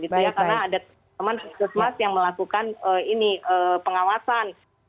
karena ada teman teman yang melakukan pengawasan